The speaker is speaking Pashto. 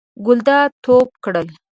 ګلداد ټوپ کړل.